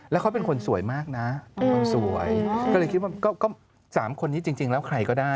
แล้วเขาเป็นคนสวยมากนะเป็นคนสวยก็เลยคิดว่าก็๓คนนี้จริงแล้วใครก็ได้